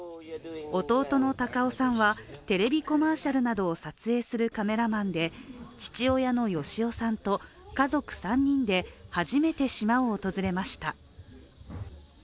弟の孝郎さんはテレビコマーシャルなどを撮影するカメラマンで父親の芳郎さんと家族３人で初めて島を訪れました。